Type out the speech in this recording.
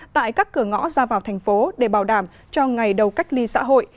tại các cửa ngõ ra vào thành phố để bảo đảm cho ngày đầu cách ly xã hội